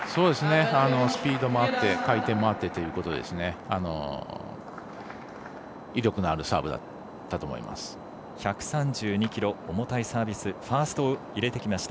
スピードもあって回転もあってということで威力のあるサーブだったと思います。